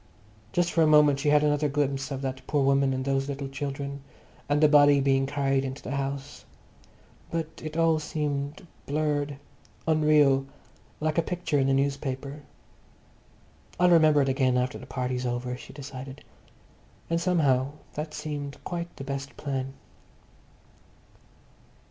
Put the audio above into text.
Just for a moment she had another glimpse of that poor woman and those little children, and the body being carried into the house. But it all seemed blurred, unreal, like a picture in the newspaper. I'll remember it again after the party's over, she decided. And somehow that seemed quite the best plan....